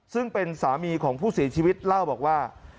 ซึ่งเป็นสามีของผู้เสียชีวิตเล่าบอกว่า